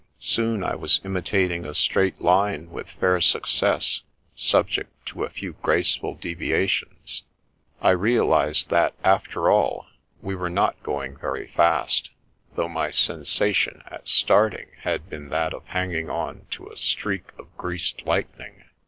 Soon, I was imitating a straight line with fair success, subject to a few graceful deviations. I realised that, after all, we were not going very fast, My Lesson 39 though my sensation at starting had been that of hanging on to a streak of greased lightning.